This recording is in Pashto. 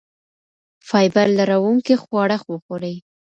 فایبر لرونکي خواړه وخورئ.